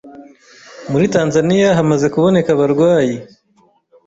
muri Tanzania hamaze kuboneka abarwayi